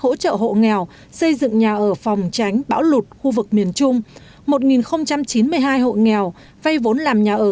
hỗ trợ hộ nghèo xây dựng nhà ở phòng tránh bão lụt khu vực miền trung một chín mươi hai hộ nghèo vay vốn làm nhà ở